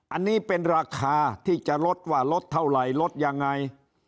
อันนี้เป็นราคาที่จะลดว่าลดเท่าไหร่ลดยังไง